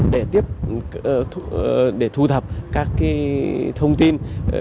để thu thập các thông tin